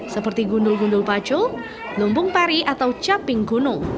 seperti gundul gundul pacul lumbung pari atau caping gunung